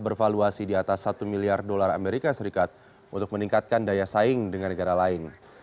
bervaluasi di atas satu miliar dolar amerika serikat untuk meningkatkan daya saing dengan negara lain